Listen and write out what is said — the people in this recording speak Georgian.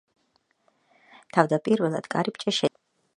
თავდაპირველად, კარიბჭე შედგებოდა ორი დონისგან.